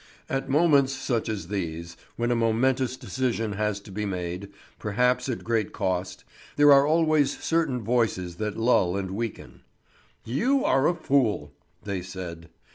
At moments such as these, when a momentous decision has to be made, perhaps at great cost, there are always certain voices that lull and weaken. "You are a fool!" they said.